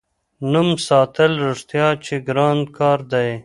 نوم ساتل رښتیا چې ګران کار دی.